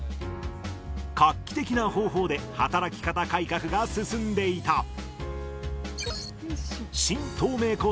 画期的な方法で働き方改革が進んでいた。